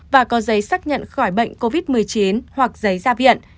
và có giấy xác nhận khỏi bệnh covid một mươi chín hoặc giấy ra viện